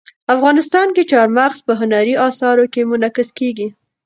افغانستان کې چار مغز په هنري اثارو کې منعکس کېږي.